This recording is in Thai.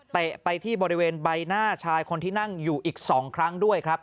ไปที่บริเวณใบหน้าชายคนที่นั่งอยู่อีก๒ครั้งด้วยครับ